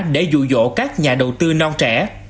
để dụ dỗ các nhà đầu tư non trẻ